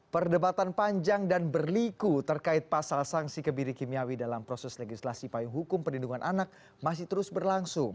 perdebatan panjang dan berliku terkait pasal sanksi kebiri kimiawi dalam proses legislasi payung hukum perlindungan anak masih terus berlangsung